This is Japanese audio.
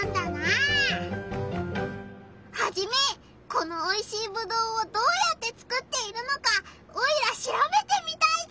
このおいしいぶどうをどうやってつくっているのかオイラしらべてみたいぞ！